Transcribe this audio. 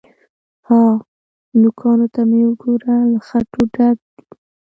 _ها! نوکانو ته مې وګوره، له خټو ډک دي.